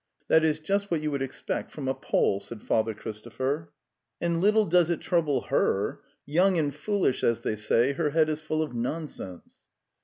"That is Just what you would expect from a Pole," said Father Christopher. "And, 'little 'does: it; trouble "her, Young and foolish, as they say, her head is full of nonsense."